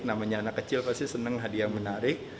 namanya anak kecil pasti senang hadiah menarik